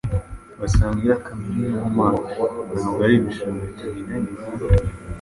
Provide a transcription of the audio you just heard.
basangira kamere y'ubumana. Ntabwo ari ibishushanyo bitanyeganyega,